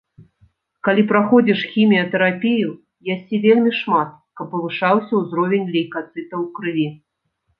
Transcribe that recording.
Калі праходзіш хіміятэрапію, ясі вельмі шмат, каб павышаўся ўзровень лейкацытаў у крыві.